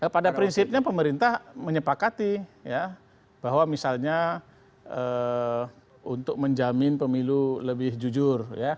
pada prinsipnya pemerintah menyepakati bahwa misalnya untuk menjamin pemilu lebih jujur